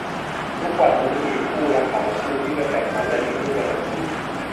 ทุกวันนี้มีคู่รักหลายคู่ที่เลือกแต่งงานและมีลูกกันทันที